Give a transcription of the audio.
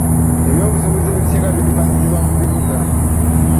Eby'obusuubuzi ebisinga biddukanyizibwa mu bibuga.